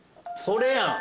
それやん！